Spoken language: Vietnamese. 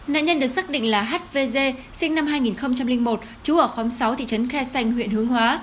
nạn nhân được xác định là hvz sinh năm hai nghìn một trú ở khóm sáu thị trấn khe xanh huyện hướng hóa